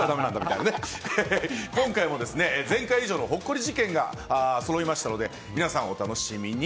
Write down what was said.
今回も、前回以上のほっこり事件がそろいましたので皆さん、お楽しみに。